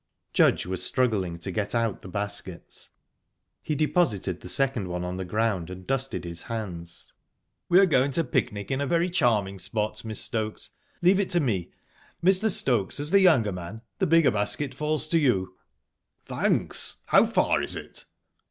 Judge was struggling to get out the baskets. He deposited the second one on the ground and dusted his hands. "We're going to picnic in a very charming spot, Mrs. Stokes. Leave it to me. Mr. Stokes, as the younger man, the bigger basket falls to you." "Thanks! How far is it?"